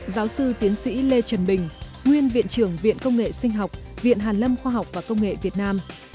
giáo sư tiến sĩ lê trần bình nguyên viện trưởng viện công nghệ sinh học viện hàn lâm khoa học và công nghệ việt nam